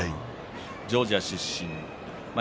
ジョージア出身です。